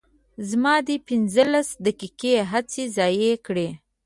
زما دې پنځلس دقیقې هسې ضایع کړې.